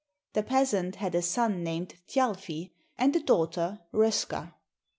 The peasant had a son named Thjalfi, and a daughter, Röska.